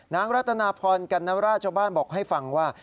นางรัตนาพรกัณฑราชบ้านบอกให้ฟังว่า